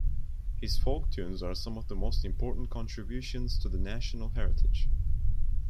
His folk tunes are some of the most important contributions to the national heritage.